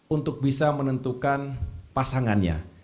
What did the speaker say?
untuk bisa menentukan pasangannya